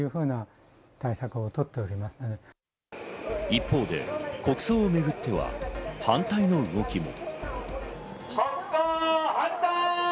一方で、国葬をめぐっては反対の動きも。